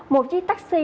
một chiếc taxi